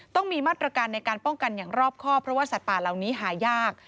ต้องมีมาตรการในการป้องกันอย่างรอบครอบเพราะว่าสัตว์ป่าเหล่านี้หายาก